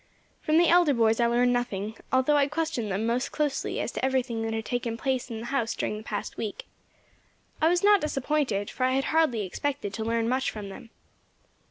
From the elder boys I learned nothing, although I questioned them most closely as to everything that had taken place in the house during the past week. I was not disappointed, for I had hardly expected to learn much from them.